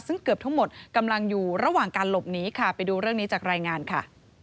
ซึ่งเกือบทั้งหมดกำลังอยู่ระหว่างการหลบหนีค่ะไปดูเรื่องนี้จากรายงานค่ะ